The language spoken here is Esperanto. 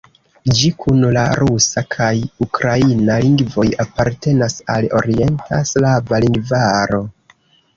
Ĝi kun la rusa kaj ukraina lingvoj apartenas al Orienta slava lingvaro.